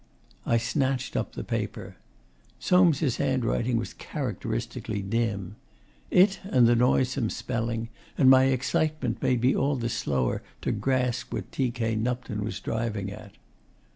I snatched the paper. Soames' handwriting was characteristically dim. It, and the noisome spelling, and my excitement, made me all the slower to grasp what T. K. Nupton was driving at.